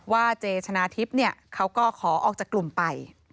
เจชนะทิพย์เขาก็ขอออกจากกลุ่มไป